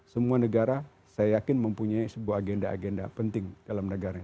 semua negara saya yakin mempunyai sebuah agenda agenda penting dalam negara ini